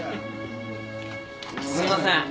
すいません。